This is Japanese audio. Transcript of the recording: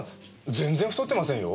全然太ってませんよ？